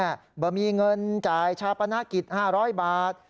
ไม่มีเงินจ่ายชาวประนักกิจ๕๐๐บาท